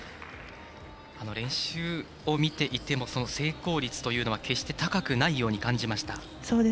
練習を見ていても成功率というのは決して高くないように感じました。